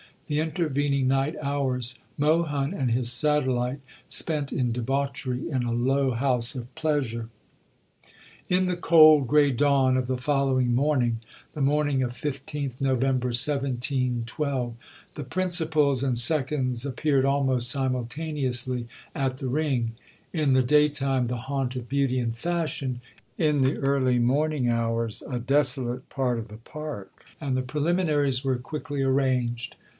The intervening night hours Mohun and his satellite spent in debauchery in a low house of pleasure. In the cold, grey dawn of the following morning the morning of 15th November 1712 the principals and seconds appeared almost simultaneously at the Ring in the daytime the haunt of beauty and fashion, in the early morning hours a desolate part of the Park and the preliminaries were quickly arranged.